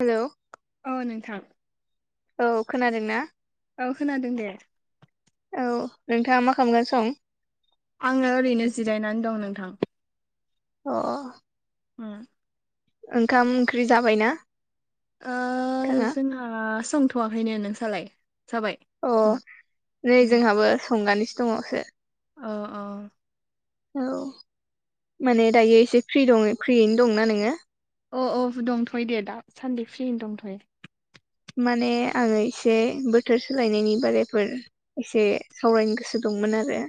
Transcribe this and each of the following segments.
Hello औ नोंथां औ खोनादोंना औ खोनादों दे औ नोंथाङा मा खालामगासं आङो ओरैनो जिरायनानै दं नोंथां अ उम ओंखाम ओंख्रि जाबायना ओ नोंथाङा जोंहा संथ'वाखैनो नोंसालाय जाबाय अ खोमा नै अ जोंहाबो संगानिसो दङसो अ अ औ माने दायो एसे फ्रि दङ फ्रियैनो दंना नोङो अ औ दंथ'यो दे दा सान्दे फ्रिनो दंथ'यो माने आङो एसे बोथोर सोलायनायनि बारायफोर एसे सावरायनो गोसो दंमोन आरो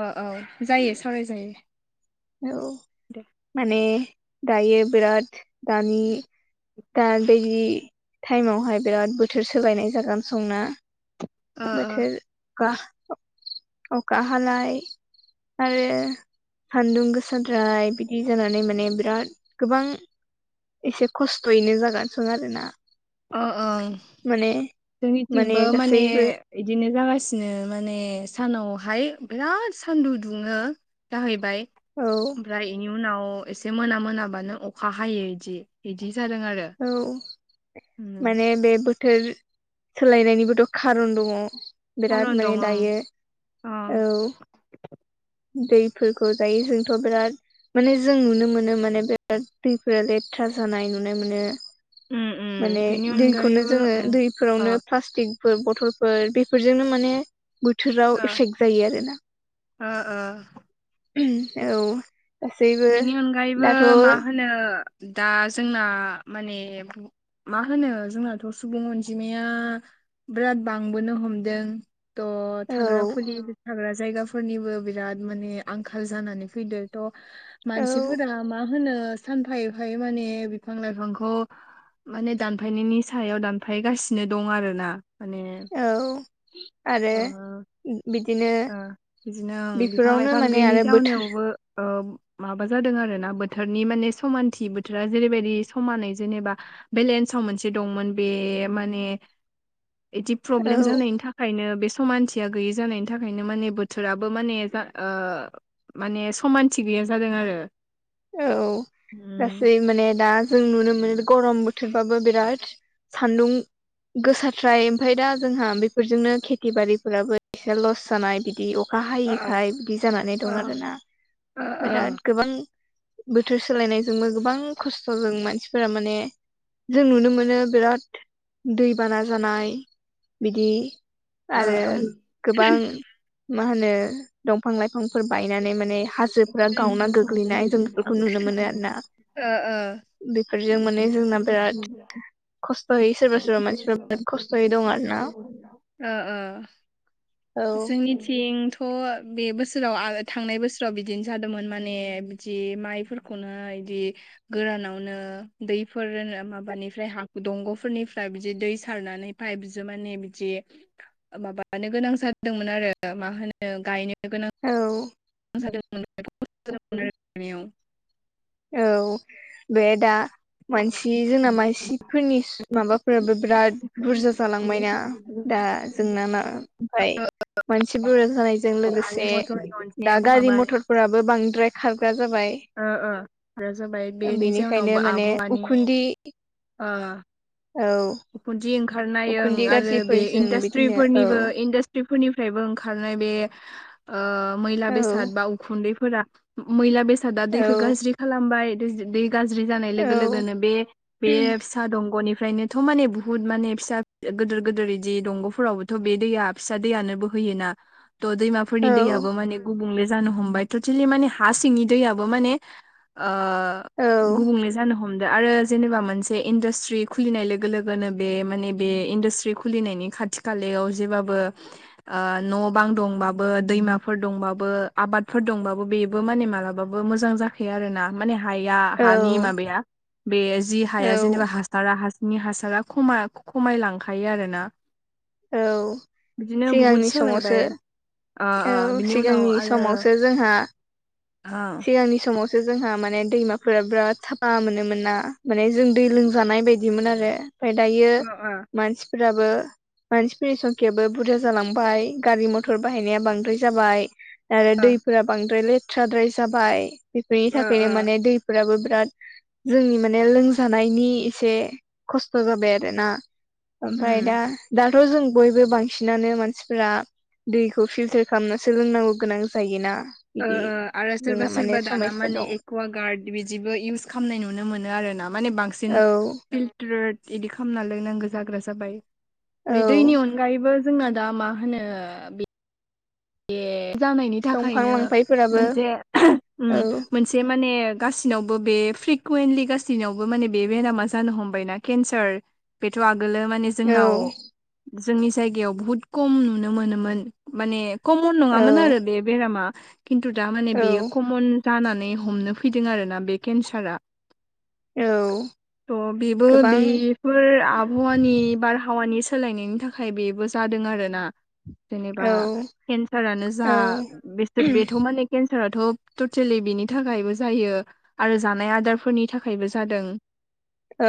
औ औ जायो सावरायजायो औ दे माने दायो बिराद दानि दा बेदि टाइमावहाय बिराद बोथोर सोलायनाय जागोन संना ओ ओ बोथोर अखा अखा हालाय आरो सान्दुं गोसाद्राय बिदि जानानै माने बिराद गोबां एसे खस्थ'यैनो जागोनसं आरोना ओ ओ माने जोंनिथिंबो माने बिदिनो जागासिनो माने सानावहाय बिराद सानदुं दुङो जाहैबाय औ ओमफ्राय बेनि उनाव एसे मोना मोनाबानो अखा हायो इदि इदि जादों आरो औ उम माने बे बोथोर सोलायनायनिबोथ' खारन दङ बिराद खारन माने दं ओं दायो अ औ दैफोरखौ जायो जोंथ' बिराद माने जों नुनो मोनो माने बिराद दैफोरा लेथ्रा जानाय नुनो मोनो उम उम माने बेनि दैखौनो अनगायैबो जोङो उम ओ दैफोरावनो प्लास्टिक बथलफोर बेफोरजोंनो माने बोथोराव एफेक्ट जायो आरोना औ औ औ गासैबो बेनि अनगायैबो दाथ' औ मा होनो दा जोंना माने मा होनो जोंनाथ' सुबुं अनजिमाया बिराद बांबोनो हमदों थ' औ थांग्रा खुलि थाग्रा जायगाफोरनिबो बिराद माने आंखाल जानानै फैदो थ' मानसिफोरा औ मा होनो सानफा एफायै माने बिफां लाइफांखौ माने दानफायनायनि सायाव दानफाय गासिनो दं आरो ना माने औ। ओ उम बिदिनो ओ बिदिनो बिफां बेफोरावनो लाइफां माने गैयिनि आरो बोथोर जाहोनावबो माबा जादों आरोना बोथोरनि माने समानथि बोथोरा जेरैबायदि समानै जेनेबा बेलेन्साव मोनसे दंमोन बे माने इदि औ प्रब्लेम जानायनि थाखायनो बे समानथिया गैयि जानायनि बिनि थाखायनो माने बोथोराबो माने जा ओ माने समानथि गैया जादों आरो। औ उम गासै माने दा जों नुनो मोनो गरम बोथोरबाबो बिराद सान्दुं गोसारथ्राय ओमफफ्राय दा जोंहा बेफोरजोंनो खेथि बारिफोराबो एसे लस जानाय बिदि अ अखा ओ हायैखाय बिदि जानानै दं आरोना। ओ बिराद गोबां बोथोर सोलायनायजोंबो गोबां खस्थ'जों मानसिफोरा माने जों नुनो मोनो बिराद दैबाना जानाय बिदि आरो गोबां मा होनो दंफां लाइफांफोर बायनानै माने हाजोफोरा गावना गोग्लैनाय जों बेफोरखौ नुनो मोनो आरो ना ओ बेफोरजों माने जोंना बिराद खस्थ'यै सोरबा सोरबा मानसिफोरा खस्थ'यै दं आरो ना ओ ओ औ जोंनिथिं थ' बे बोसोराव थांनाय बोसोराव बिदिनो जादोंमोन। माने बिदि माइफोरखौ खना इदि गोरानावनो दैफोर माबानिफ्राय हा दंग'फोरनिफ्राय बिदि दै सारनानै ओमफाय बिजो माने बिदि माबानो गोनां जादों जादोंमोन आरो मा होनो गायनो गोनां औ। [unintelligible] औ बे दा मानसि जोंना उम। मानसिफोरनि माबाफोराबो बिराद बुरजा जालांबायना। दा जोंना मा ओमफाय मानसि बुरा जानायजों गारि लोगोसे दा [unintelligible] गारि मथरफोराबो बांद्राय खारग्रा जाबाय। ओ ओ आरो जाबाय बेनि बेनिखायनो जउनावबो माने आबहावानि उखुन्दै ओ औ। उखुथि ओंखारनाय ओ उखुन्दै आरो बे गाज्रिफोरजों इन्डासट्रि बिदिनो औ फोरनिबो इडास बिफोरनिफ्रायबो ओंखारनाय बे ओ मैला औ बेसाद बा उखुन्दैफोरा मैला बेसादा औ दैखौ गाज्रि खालामबाय दैजों दै गाज्रि जानाय औ लोगो लोगोनो बे बे फिसा दंग'निफ्रायनो थ' माने बुहुत माने फिसा गोदोर गोदोर बिदि दंग'फोरावबोथ' बे दैया फिसा दैयानोबो होयोना। थ' दैमाफोरनि औ दैयाबो माने गुबुंले जानो हमबाय। टटेलि माने हा सिंनि दैयाबबो माने औ गुबुंले जानो हमदो आरो जेनेबा मोनसे इन्डास्ट्रि खुलिनाय लो गो लोगो लोगोनो बे माने बे इन्डासट्रि खुलिनायनि खाथि खालायाव जेबाबो ओ न' बां दंबाबो दैमाफोर दंबाबो आबादफोर दंबाबो बेबो माने मालाबाबो मोजां जा आरो ना माने हाया हानि औ माबाया बे जि औ हाया जेनेबा हासारा हा नि हासारा खमा खमायलांखायो आरो ना। औ बिदिनो बहुद सिगांनि समावसो सोलायबाय। ओ औ बिनि उनाव सिगांनि आरो समावसो जोंहा ओ सिगांनि समावसो जोंहा माने दैमाफोरा बिराद साफा मोनोमोन ना माने जों दै लोंजानाय बायदिमोन आरो। ओमफाय दायो ओ ओ मानसिफोराबो मानसिफोरनि संखियाबो बुरजा जालांबाय गारि मथर बाहायनाया बांद्राय जाबाय आरो दैफोरा बांद्राय लेथ्रााद्राय जाबाय बेफोरनि ओ ओ ओ थाखायनो माने दैफोराबो बिराद जोंनि माने लोंजानायनि एसे खस्थ' जाबाय आरोना। ओमफ्राय उम दा दाथ' जों बयबो बांसिनानो मानसिफोरा दैखौ फिल्टार खालामनासो लोंनांगौ गोनां जायोना ओ बिदि आरो सोरबा जोंना माने सोरबा दाना समस्या माने दं ए कुवागार्ड बिदिबो इउस खालामनाय नुनो मोनो आर ना माने बांसिन औ [unintelligible] इदि खालामना लायनांगौ जाग्रा जाबाय ओै दैनि औ अनगायैबो जोंना दा मा होनो बे जानायनि दंफां थाखायनो लांफायफोराबो मोनसे मोनसे ओम औ मोनसे जे माने गासिनावबो बे फ्रिकुवन्टलि गाससिनावबो माने बे बेरामा जानो हमबायना केन्सार बेथ' आगोलो माने औ जोंनाव जोंनि जायगायाव बुहुत खम नुनो मोनोमोन माने कमन नङामोन आरो बे बेरामा खिन्थु दा माने औ बेयो कमन जानानै हमनो फैदों आरोना बे केन्सारा औ अ बिबो गोबां बे फोर आबहावानि बारहावानि सोलायनायनि थाखाय बेबो जादों आरो ना जेनेबा औ केन्सारानो जा औ बेस बेथ' माने केन्साराथ' टटेलि बिनि थाखायबो जायो। आरो जानाय आदारफोरनि थाखायबो जादों। औ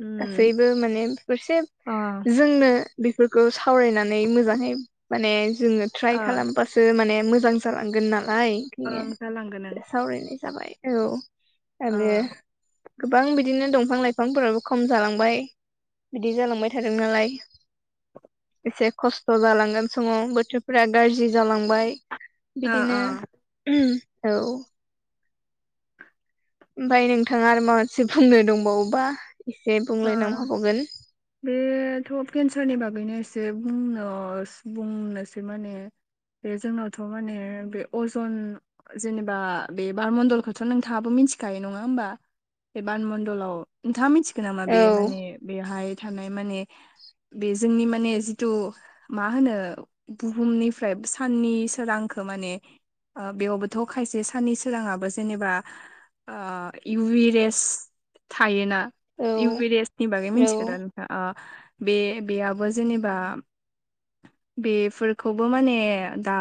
उम गासैबो माने फसे अ जोंनो बेफोरखौ सावरायनानै मोजाङै माने जोङो ट्राइ ओ खालामबासो सो माने मोजां जालांगोन नालाय ओंखायनो ओं जालांगोन ओं सावरायनाय जाबाय। औ आरो ओ गोबां बि दिनो दंफां लाइफांफोराबो खम जालांबाय बिदि जालांबाय थादों नालाय। एसे खस्थ' जालांगोन समाव बोथोरफ्रा गाज्रि जालांबाय। ओ बिदिनो औ ओमफाय नोंथाङा आरो माबासे बुंनो दंबावोबा एसे ओ बुंलायनां हाबावगोन बेथ' केन्सारनि बागैनो एसे बुंनो बुंनोसै माने बे जोंनावथ' माने बे अजन जेनेबा बे बारमडलखौथ' नोंथाङाबो मिथिखायो नङा होमबा। बे बार मण्डलाव नोंथाङा मिथिगोन नामा बे औ माने बेहाय थानाय माने - बे जोंनि माने जिथु मा होनो बुहुमनिफ्राय साननि सोरांखौ माने ओ बेयावबोथ' खायसे साननि सोराङाबो जेनेबा ओ इउ रेस थायोना औ इउ रेसनि बागै औ मिथिगोदा नों बे बेयाबो जेनेबा बेफोरखौबो माने दा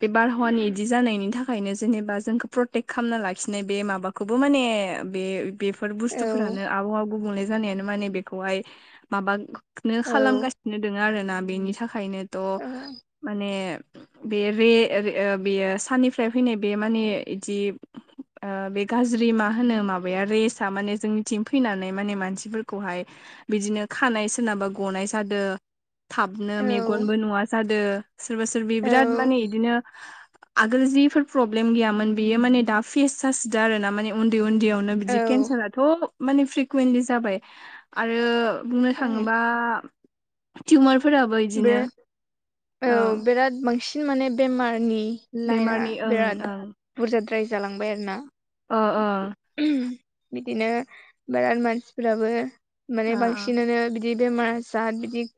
बे बारहावानि इदि जानायनि थाखायनो जेनेबा जोंखौ प्रटेक्ट खालामना लाखिनाय बे माबाखौ बो माने बे बेफोर औ बुस्थुफोरानो आबहावा गुबुंले जानायानो माने बेखौहाय माबा नो औ खालामगासिनो दोङ आरोना बेनि थाखायनोथ' माने बेे बेयो साननिफ्राय फैनाय बे माने बिदि ओ बे गाज्रि मा होनो माबाया रेसआ माने जोंनि थिं फैनानै माने मानसिफोरखौहाय बिदिनो खानाय सोरनाबा गनाय जादों थाबनो मेगनबो नुवा जादो सोरबा सोरबि औ बिराद माने बिदिनो आगोल जिफोर प्रब्लेम गैयामोन बेयो माने दा फेस जासिद आरो ना माने उन्दै उन्दै बियावनो औ बिदि केन्साराथ' माने फ्रिकुवेन्टलि जाबाय आरो बुंनो औ थाङोबा टिउमारफोराबो इदिनो बिराद ओ औ बिराद बांसिन माने बेमारनि लाइना बेमारनि ओं बिराद ओं बुरजाद्राय जालांबाय आरोना अ अ बिदिनो बाराद मानसिफोराबो माने ओ ओ बांसिनानो बि जिदि बेमारा साद बिदि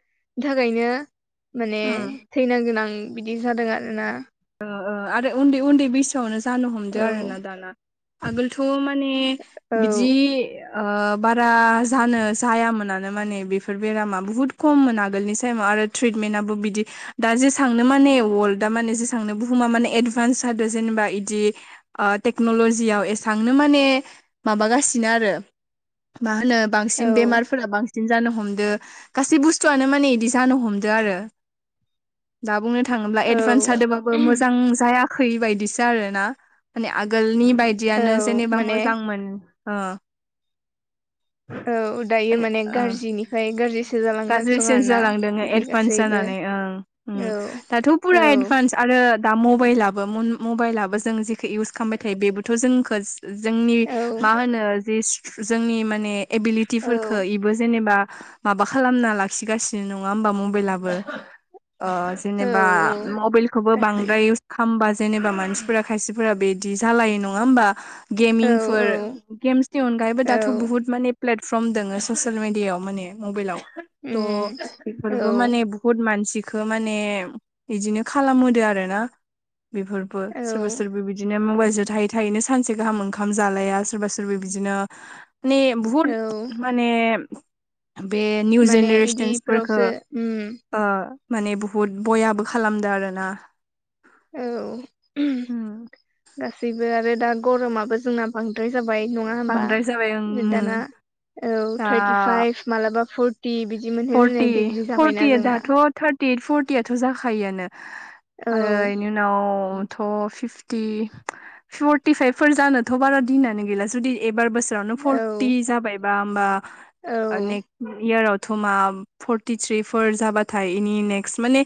थाखायनो माने उम थैन गोनां बिदि जादों आर ना आरो उन्दै उन्दै बिस फथावनो जानो हमदों औ आरोना दाना आगोलथ' माने औ बिदि बारा जानो जायामोनानो माने बेफोर बेफोर बेरामा बहुत खममोन आगोलनि टाइमाव आरो ट्रिटमेन्टआबो बिदि दा जे सांनो माने वर्ल्डा माने जेसांनो बुहुमा माने एदभान्स जादों जेनेबा इदि टेक्न'ल'जियाव एसबांनो माने माबागासिनो आरो मा होनो औ बांसिन बेमारफोरा बांसिन बिदिनो जानो हमदो गासै बुस्थुआनो माने बिदि जानो हमदो आरो दा बुंनो थाङोब्ला औ एडभान्स जादोंबाबो मोजां जायाखै बायदिसो आरोना माने आगोलनि बायदि औ बियानो जेनेबा माने मोजांमोन औ दायो माने गाज्रिनि गाज्रि चन्ज जालांद बिदि एडभान्स गासैबो जानानै ओं औ दाथ' फुरा औ एडभान्स आरो दा मबाइलाबो मबाइलाबो जों जेख इउस खालामबाय थायो बेबोथ' जोंखौ जोंनि औ मा होनो जि जोंनि माने औ एबिलिटिफोरखो इबो जेनेबा माबा खालामना लाखिगासिनो नङा होमबा मबाइलाबो औ जेनेबा औ मबाइलखौबो गासै बांद्राय इउस खामबा जेनेबा मानसिफोरा खायसेफोरा बिदि जालायो नङा होमबा औ गेमिंफोर औ गेम्सनि अनगायैबो दाथ' औ बुहुत माने प्लेटफर्म दङो ससियेल मेडियाव माने मबाइलाव उम थह औ बेफोरबो माने बहुत मानसिखौ माने बिदिनो खालामहदो आर ना बेफोरबो सोरबा औ सोरबा बिदिनो मबाइलजों थायो थायैनो सानसे गाहाम ओंखाम जालाया सोरबा सोरबा बिदिनो बुहुद औ माने बे निउ माने जेनेरेसनसफोरफोरखौ इदिफोरावसो उम ओ माने बुहुद बयाबो खालामदों आरो ना औ उम गासैबो आरो दा गरमाबो जोंना बांद्राय जाबाय नङा होमबा बांद्राय जाबाय ओं दाना उम औ दा थार्टिफाइभ मालाबा फर्टि बिदि मोनहै लोंनाय डिग्रि जाबायना जोंना डेट फरटियाथ' जाखायोआनो औ आरो उनावथ' फिफटि फर्टिफाइभ फोर जानोथ' बारा दिनानो गैला जुदि एबार बोस नो औ फरटि जाबायबा हबा औ नेक इयारआव दथमा फर्टिथ्रिफोर जाबाथाय इनि नेक्स्ट माने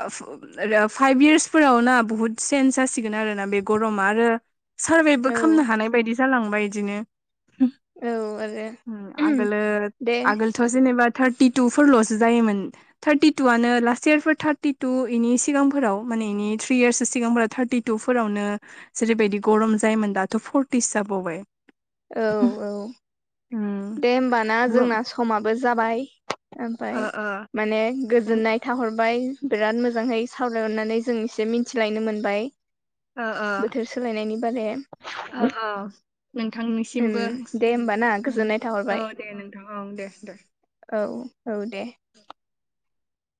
फाइभ इयार्सफोराव ना बुहुत चन्ज जासिगोन आरोना बे गरमा आरो सारभेबो औ खालामनो हानाय बायदि जालांबाय बिदिनो औ आरो आगोल दे आगोल जेनेबा थार्टिटुफोरल'सो जायोमोन। थार्टि टुआनो लास्ट इयारफोर थार्टि टु इनि सिगांफोराव माने इनि थ्रि इयारसो सिगांफोरााव थारटिु। फोरावनो जेरैबायदि गरम जायोमोन दाथ' फर्टिसो जाबावबाय। औ औ। दे होमबाना ओ जोंना समाबो जाबाय ओमफाय ओ माने गोजोननाय थाहर बाय बिराद मोजांहै सावरायहरनानै जों एसे मिथिलायनो मोनबाय। बोथोर सोलायनायनि बारे औ उम नोंथांनिसिमबो दे होमबा ना गोजोननाय औ थाहरबाय दे नोंथां औ दे दे औ औ दे